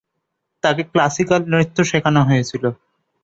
তাকে ক্লাসিকাল নৃত্য শেখানো হয়েছিল।